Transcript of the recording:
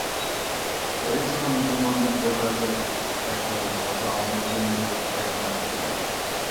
এটি ছিল মুসলমানদের পোশাকের একটি অংশ যা অমুসলিমদের দেখানোর জন্য।